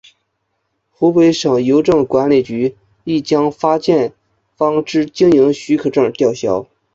湖北省邮政管理局亦将发件方之经营许可证吊销。